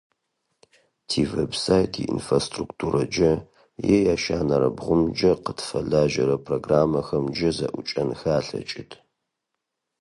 Тивеб-сайт иинфраструктурэкӏэ, е ящэнэрэ бгъумкӏэ къытфэлэжьэрэ программэхэмкӏэ зэӏукӏэнхэ алъэкӏыщт.